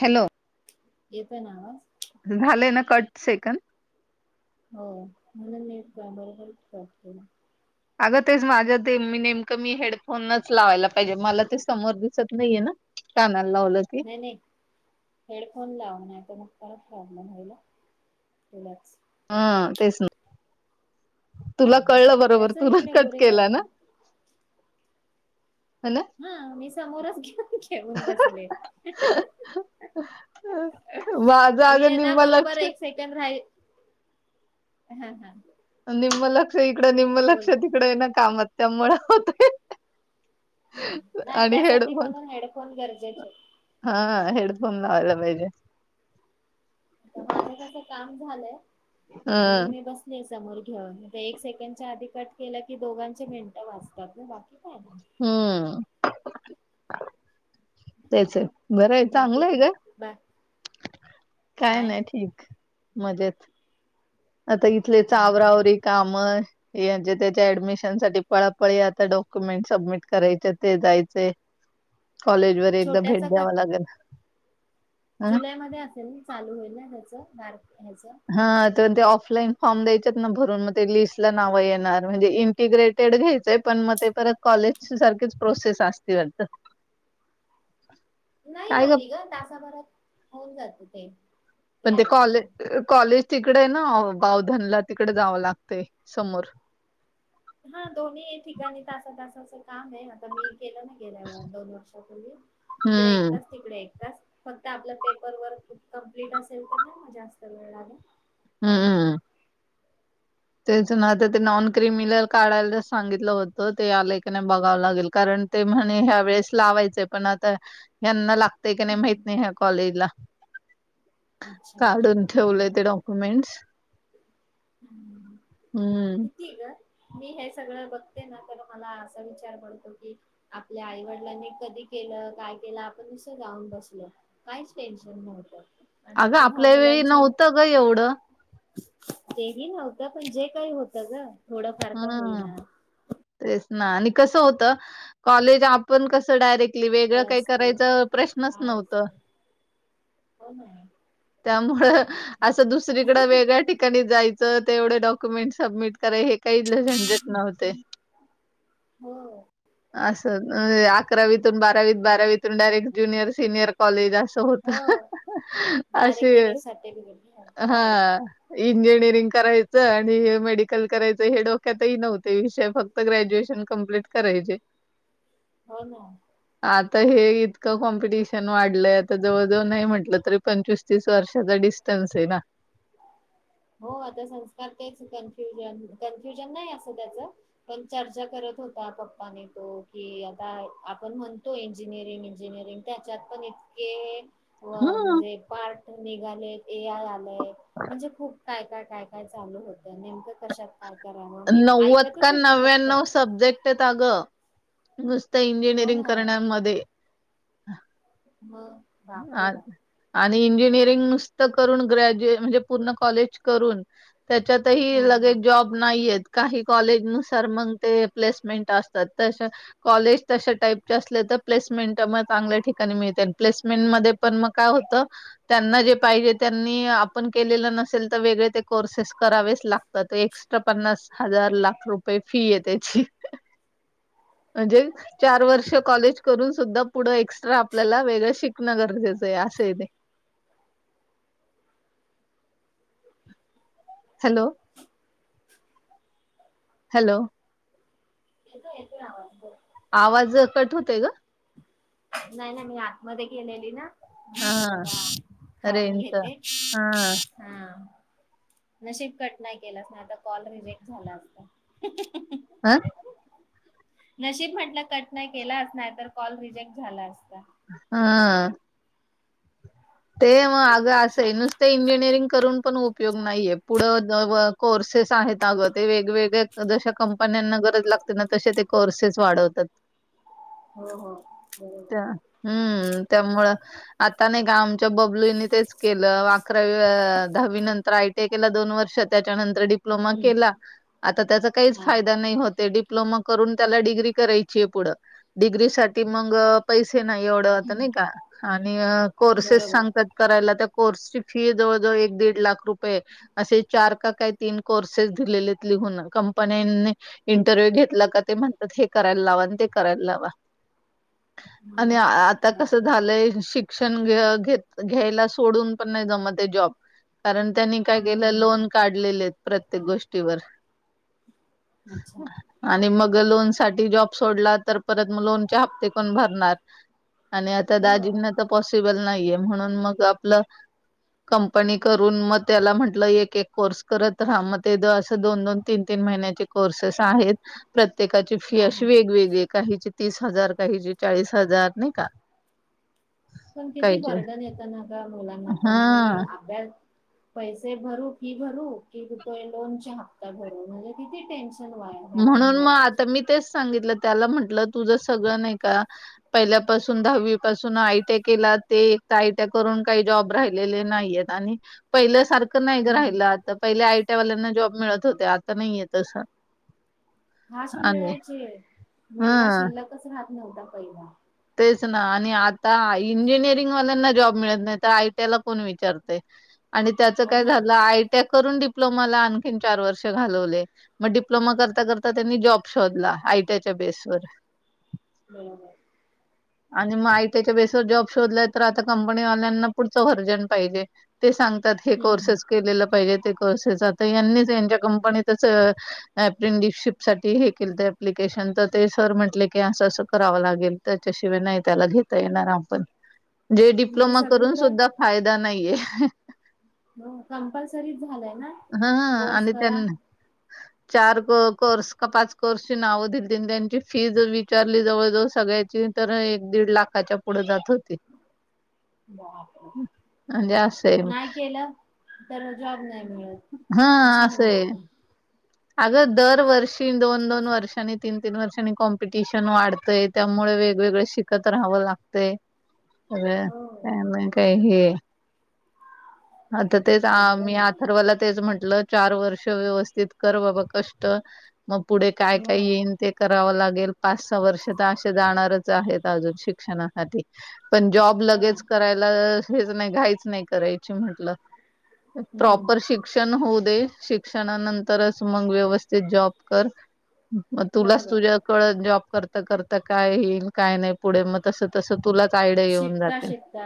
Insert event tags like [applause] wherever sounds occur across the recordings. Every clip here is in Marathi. हॅलो येत नावा झालंय ना कट सेकंड हो म्हणून मीबरोबरच अगं तेच माझ्या ते मी नेमकं मी हेडफोनच लावायला पाहिजे मला ते समोर दिसत नाहीये ना ना नाही नाही हेडफोन लावून त मग ह हा म्हणायला रिलॅक्स हा तेसना तुला कळलं बरोबर त्याच तुला इकडे कट केलं गोरेगावला ना ह ना हा मी समोरच घेन घेऊन बसले माझं मी अगं आहे ना निम्म बरोबर लक्ष एक सेकड रा हम हा निमला क तिकडं निम लक्ष बोल. तिकडे ये ना कामात त्यामुळेणा होतोय ना आणि त्यासाठी हेडफोन म्हणून हेडफोन गरजेचे. हा हेड ब नाला नाहीहिजे आ माझं कस काम झालंय ह म्हणून मी बसली समोर घेऊन एक सेकंडच्या आधी कट केलं की दोघांचे मिनटं वाचतात मग बाकी काय नाही हम्म तेच आहे. बरं आहे बाकी चांगलंय काय ग बा काय नाही ठीक. मजेत. आता इथले हा हा हा. चावरावर काम. ए ह्याच्या त्याच्या ऍडमिशन साठी पळापळी आता डॉक्युमेंट सबमिट करायचे ते जायच. कॉलेज वर एकदा भेट द्यावा लागेल. हं? जुलै मध्ये असेल चालू होईना. ार् [unintelligible] हच. हा तर ते ऑफलाईन फॉर्म द्यायचे ना भरून मग ते लिस्ट ला नाव येणार, म्हणजे इंटिग्रेटेड घ्यायचंय पण मग ते परत कॉलेज सारखीच प्रोसेस असते वाटतं. नाही एवढी ग तासाभरात. होऊन जात ते. पण ते कॉलेज कॉलेज. तिकडे ना बावधनला तिकडे जावं लागतेय समोर. हा दोन्ही एक ठिकाणी तासा तसाचं काम आहे आता मी. के ना गेल्यावर दोन वर्षापूर्वी इकडे हम्म एकतास तिकडे एकतास. फक्त आपलं पेपर वर्कप कंप्लीट असेल तर नाही मग जास्त वेळ लाग हम्मम् तेथून आता ते नॉन क्रिमिल काढायला सांगितलं होतं, ते आलेकने बघावं लागेल कारण ते म्हणे ह्या वेळेस लावायचंय पण आता हना लाग ते का नाही माहित हम्म. नाही ह्या कॉलेज ला. अच्छा अच्छा काढून हा, ठेवलंय ते हा. डॉक्युमेंट्स. हम्म किती आहे ग मी हेच. सगळ बघते ना तर मला असा विचार पडतो की, आपल्या आईवडिलांनी कधी केलं काय केलं आपण असं जाऊन बसलो काहीच टेन्शन नव्हतं. आणि अगं आता हा आपल्या वेळी मुलांच्या नव्हतं ग एवढं. [inaudible] तेही नव्हतं पण जे काही होतं ग. थोडं फार का हम्म होईना. तेच ना आणि कसं होत कॉलेज आपण कसं डायरेक्ट. वेगळं फळ काही असते करायच प्रश्नच काय नव्हत असते हो ना त्यामुळ असं दुसरीकडे वेगळ्या ठिकाणी जाय तर तेवढे डॉक्युमेंट सबमिट कराय. काही ल झंझट नव्हते. हो असं अकरावीतून बारावीत बारावीतून डायरेक्ट ज्युनियर सिनियर कॉलेज अस असं होतं हो हा हा डायरेक्टली वे सर्टिफिकेट घ्या हा बाहेर हा पडा असे इंजिंग. करायचं आणि मेडिकल करायचं हे डोक्यात नव्हते विषय फक्त ग्रॅज्युएशन कंप्लीट करायचे हो ना आता हे इतकं कॉम्पिटिशन वाढलंय आता जवळ जवळ नाही म्हंटलं तरी पंचवीस तीस वर्षाचा डिस्टन्स आहे ना. हो आता संस्कार तेच कन्फ्युजन कन्फ्युजन नाही असं त्याच पण चर्चा करत होता पप्पाने तो कि आता आपण म्हणतो इंजिनियरिंग इंजिनिअरिंग त्याच्यात पण इतके व हं. म्हणजे पार्ट निघाले. ए आय आले म्हणजे खूप काय काय काय काय चालू होत. नेमकं कशात काय करावं ने ऐकतच का होते फक्त स् [unintelligible] हो इंजिनिअरिंग ना करण्यामध्ये [inaudible] मग बाप रे आ बाप इंजिनिअरिंग नुसतं करून ग्रॅज्युए म्हणजे पूर्ण कॉलेज करून हा हा त्याच्यातही जॉब नाहीत काही कॉलेज नुसार मग ते प्लेसमेंट असतात त कॉलेज तशा टाईपचे असले तर प्लेसमेंट मग चांगल्या ठिकाणी मिळते प्लेसमेंट मध्ये पण मग काय होत त्यांना जे पाहिजे त्यांनी आपण केलेलं नसेल तर वेगळे ते कोर्सेस करावेच लागत एक्स्ट्रा पन्नास हजार लाख रुपये फी आहे त्याची म्हणजे चार वर्ष कॉलेज करून सुद्धा पुढ एक्स्ट्रा आपल्याला वेगळ शिकण गरजेचं आहे असं आहे त्याचं हॅलो हॅलो येतो येतो आवाज बोल. आवाज कट होते ग नाही नाही मी आतमध्ये गेलेली ना हा खाऊन रेंजचा घेते हा हा नशिब कट नाही केलाच नाही आता कॉल रिजेक्ट झाला असता ह नशीब म्हटलं कट नाही केलाच नाही तर कॉल रिजेक्ट झालं हा ते मग तेच अगं असं आहे नशीब नुसते इंजिनिअरिंग करून पण उपयोग नाहीये पुढं कोर्सेस आहेत अ ग ते वेगवेगळ्या जश कंपन्यां गरज लागते ना तसे ते कोर्सेस वाढवतात हो हो त्या बरोबर हम्म त्यामुळ आता नाही का आमच्या त्या बबलीने तेच केलं अकरावी दहावी नंतर आयटीआय केला दोन वर्ष त्याच्यानंतर डिप्लोमा डिप्लोमा हम्म, केला आता त्याचा काहीच हा हा फायदा नाही होत आहे डिप्लोमा करून त्याला डिग्री करायची आहे पुढ डिग्रीसाठी मग पैसे नाही एवढं होत हम्म, नाही का आणि कोर्सेस बरोबर सांगतात करायला त्या कोर्सची फी जवळ जवळ एक दीड लाख रुपये असे चार का काय तीन कोर्सेस दिलेले लिहून कंपनीनी इंटरव्ह्यू घेतला का ते म्हणतात हे करायला लावा ते करायला लावा आणि हम्म, आता कस बापरे झालंय शिक्षण घ घेत घ्यायला सोडून पण नाही जमते जॉब आणि त्यांनी काय केलं हम्म, लोन काढलेले आहेत प्रत्येक गोष्टीवर अच्छा आणि मग जर लोन साठी जॉब सोडला तर परत मग लोनचे हप्ते कोण भरणार आणि आता हो दाजींना तर पॉसिबल नाही म्हण मग आप कंपनी करून मग त्याला म्हटलं एक एक कोर्स करत राहा मग ते दोन दोन तीन तीन महिण्याचे कोर्स आहेत प्रत्येकाची फी हा हा अशी वेगवेगळी काहीची तीस हजार काहीची चाळीस हजार नाही का? पण किती काहीचे ओरडत्यात ह मुलांना पण हा मी अभ्यास पैसे भरू फी भरू कि, लोनच्या हप्ता भरू म्हणजे किती टेन्शन वाया ह्या लहान म्हणून मग वयाला आता मी सुद्धा तेच सांगितलं त्याला म्हटलं तुझ सगळ नाही का पहिल्यापासून दहावी पासून आयटी केला ते आयटीआय करून काही जॉब राहिलेला नाही आणि पाहिल्यासारखं नाही गं राहील पहिल्या आयटीआय वाल्यांना जॉब मिळत होते आता नाही येतसं फास्ट मिळायचे मुलगा हा शिल्लकच राहत नवता पहिला तेच ना आता इंजिनिअरिंग वाल्यांना जॉब मिळत नाही तर आयटीआय ला कोण विचारतय आणि त्याचं हो काय ना. झालं आयटी करून डिप्लोमाला आणखीन चार वर्ष घालवले मग डिप्लोमा करता करता त्यांनी जॉब शोधला आयटीयाच्या बेस वर हो आणि मग आयटीच्या बेसवर जॉब शोधला तर आता कंपनी वाल्यांना पुढचं वर्जन पाहिजे ते सांगतात हे हम्म. कोर्सेस केलेलं पाहिजे ते तसेच यांनीच यांच्या कंपनीतच अप्रेंटिशिप साठी हे केलं तर अप्लिकेशन तर ते सर म्हंटले की असं असं करावं लागेल त्याच्याशिवाय नाही त्याला घेता येणार आपण जे म्हणजे डिप्लोमा करून सगळीकडं सुद्धा फायदा नाहीये ह हो कंपल्सरी झालाय ना ह कोर्स आणि करा त्यांना चार कोर्स का पाच कोर्सची नावं दिली आणि त्यांची फी विचारली जवळजवळ सगळे तर एक दीड लाखाच्या पुढे जात होते. म्हणजे असं आहे नाही केलं तर जॉब नाही मिळत असं हां, होवून आहे. जात. अगं दरवर्षी दोन दोन वर्षांनी तीन तीन वर्षांनी कॉम्पिटिशन वाढतय त्यामुळे वेगवेगळ शिकत राहावं लागतय. अर हो. त्या म काही हे. आता तेच अ अवघड आहे मी बाबा. अथर्वला तेच म्हंटलं. चार वर्ष व्यवस्थित कर बाबा कष्ट मग पुढे काय हो. काय येईल ते करावं लागे. गेली पाच सहा वर्ष तर असे जाणारच आहेत अजून शिक्षणासाठी. पण जॉब हो ना. लगेच करायला. हेच नाही घाईच नाही करायची म्हंटलं. हम्म. प्रॉपर शिक्षण होऊ दे शिक्षणा नं तरच मग व्यवस्थित जॉब कर. मग तुलाच बरोबर आहे. तुझ्याकळ जॉब. करता करता काय येईल काय नाही पुढे मग तस तस तुला. शिकता शिकता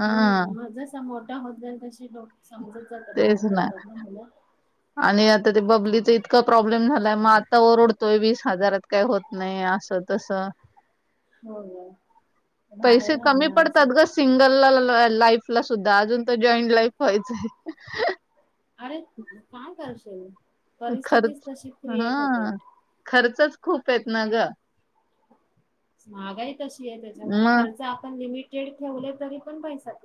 हा मग जसा मोठा होत जाल तशी लक समजत जात बाहेर पडतात ना मुलं. आणि आता ते बबलीच इतका प्रॉब्लेम झालाय मआता ओरडतोय वीस हजारात काही होत नाही असं तस. हो ग. बाहेर पैसे कमी राहणं असं. पडतात ग सिंगल लाल लाईफ ला सुद्धा अजून तर जॉईंट लाईफ व्हायचय. अरे काम करश [unintelligible] परिस्थितीच खर्च तशी हा क्रिएट होते. खर्चच खूप आहेत ना ग. महागाई तशी आहे त्याच्यामु मग खर्च आपण लिमिट. ठेवले तरी पण पैसात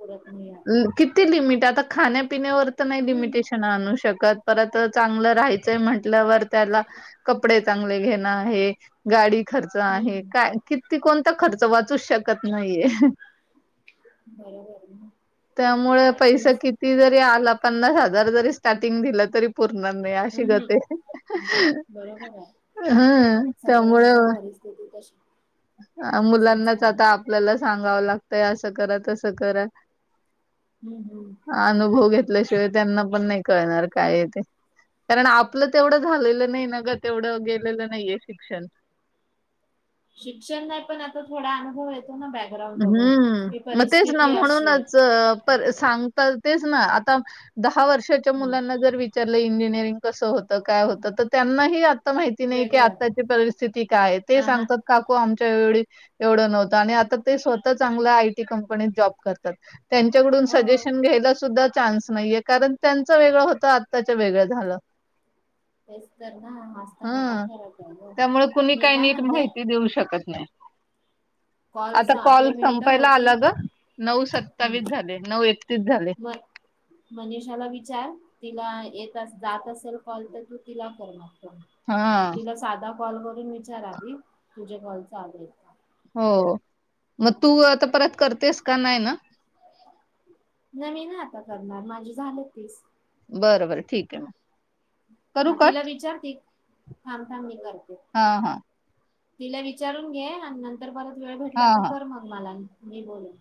किती लिमिट. त्या आता खाण्यात. पिण्यावर तर नाही हम्म. लिमिटेशन आणू शकत. परत चांगलं राहायचंय म्हण. त्यावर त्याला कपडे चांगले घेण. आहे गाडी. खर्च आहे हम्म काय किती कोण. त खर्च वाचू शकत नाहीेये. बरोबर. आहे ना त्यामुळे पैसा ऐकूनच किती जरी आला, पन्नास हजार जरी स्टार्टिंग दिलं तरी पूरता र नाही अशि हम्म गतय. हम्म. बरोबर आहे हम, त्यामुळे सगळ्यांच्या परिस्थिती तशी तसच मुलांनाच झालंय. आता आपल्याला सांगावं लागतंय, असं करा, तसं करा. हम्म हम्म. हा अनुभव घ ल्याशिवाय त्यांना पण नाही कळणार काय ते. कारण आपलं तेवढं झालेलं नाही न ग, तेवढं गेलेलं नाहीय शिक्षण. शिक्षण नाही पण आता थोडा अनु हम्म मग तेच ना, परिस्थिती अशी आहे. म्हणूनच पर सांगताल. तेच ना, आता ह वर्षाच्या हम्म. मुलांना जर विचार इंजिनरिंग कस होत, काय होत, तर त्यांनाही आ माहिती नाही की वेगळं आताची परिस्थिती काय, ते आ हा. सांगतात काकू आम एवढी, एवढं नव्ह आणि आता ते स्वतः चांगल्या आयटी कंपनीत जॉब करतात. त्यांच्याकडून हो सजेशन घ्यायला सुद्धा, चान्स नाहीये. कारण त्यांचा वेगळं होत, आताच्या वेगळं झालं. तेच तर ना हाच तर मोठा हं. फरकय त्यामुळे [unintelligible] कुणी मी काही काय नीट म्हणतेय, माहिती देऊ शकत नाही. आता कॉल मिनटं संपायला आला होतील. ग, नऊ सत्तावीस झाले नऊ एक म मनीषाला विचार, तिला येत जात असेल कॉल तर तू तिला करना. हा कॉल करून विचार आधी, तुझे कॉल चालूयत का? हो, मग तू आता परत करतेस का? नाही ना. नाही ना आता करणार, माझे झाले तीस. बर - बर ठीक म हा तिला विचारते. थांब, थांब मी करते. हा हा तिला विचारून घे आणि नंतर परत वेळ भेटला हा तर हा कर मग मला [unintelligible] मी बोलन.